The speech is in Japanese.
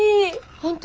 本当？